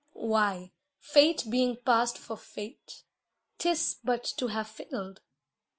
Why, fate being past for Fate, 'tis but to have failed.